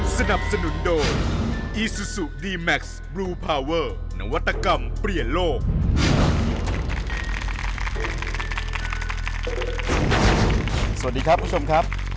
สวัสดีครับคุณผู้ชมครับ